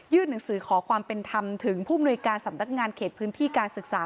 หนังสือขอความเป็นธรรมถึงผู้มนุยการสำนักงานเขตพื้นที่การศึกษา